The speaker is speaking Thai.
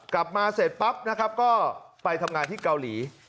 กลับมาเสร็จปั๊บนะครับก็ไปทำงานที่เกาหลี